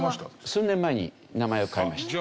数年前に名前を変えました。